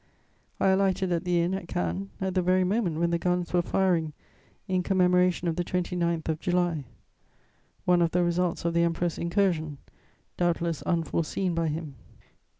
I alighted at the inn at Cannes at the very moment when the guns were firing in commemoration of the 29th of July: one of the results of the Emperor's incursion, doubtless unforeseen by him.